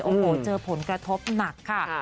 โอ้โหเจอผลกระทบหนักค่ะ